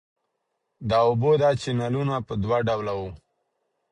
د اوبو دا چینلونه په دوه ډوله وو.